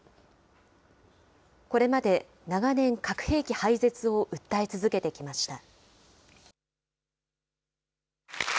これまで長年、核兵器廃絶を訴え続けてきました。